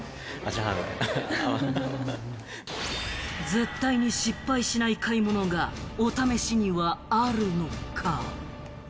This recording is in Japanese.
絶対に失敗しない買い物が、お試しにはあるのか？